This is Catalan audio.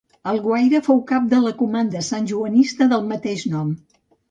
Alguaire fou cap de la comanda santjoanista del mateix nom.